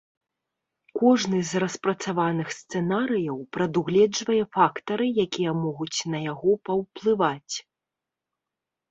Кожны з распрацаваных сцэнарыяў прадугледжвае фактары, якія могуць на яго паўплываць.